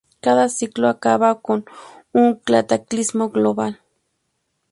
Cada ciclo acaba con un cataclismo global.